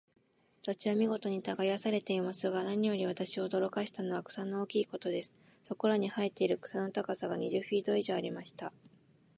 土地は見事に耕されていますが、何より私を驚かしたのは、草の大きいことです。そこらに生えている草の高さが、二十フィート以上ありました。